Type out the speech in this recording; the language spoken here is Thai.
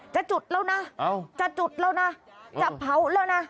จะจุดแล้วนะจะจุดแล้วนะจะเผาแล้วนะ